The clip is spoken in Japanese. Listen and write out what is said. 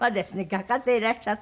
画家でいらっしゃってね